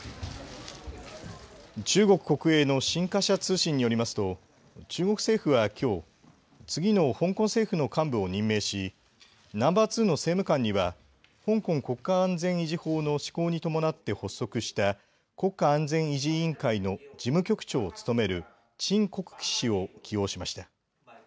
中国国営の新華社通信によりますと中国政府はきょう次の香港政府の幹部を任命しナンバー２の政務官には香港国家安全維持法の施行に伴って発足した国家安全維持委員会の事務局長を務める陳国基氏を起用しました。